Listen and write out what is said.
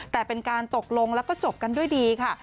แต่เป็นการตกลงแล้วก็จบกันด้วยดีค่ะ